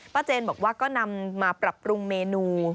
เจนบอกว่าก็นำมาปรับปรุงเมนู